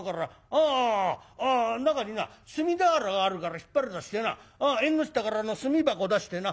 あああ中にな炭俵があるから引っ張り出してな縁の下から炭箱出してな